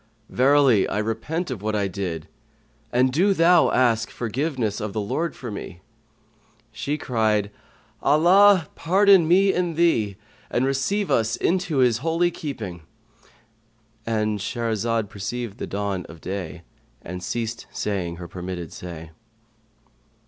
Verily, I repent of what I did, and do thou ask forgiveness of the Lord for me." She cried, "Allah pardon me and thee, and receive us into his holy keeping."—And Shahrazad perceived the dawn of day and ceased saying her permitted say.